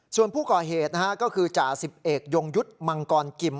ส่วนผู้ก่อเหตุนะฮะก็คือจ่าสิบเอกยงยุทธ์มังกรกิม